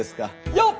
よっ！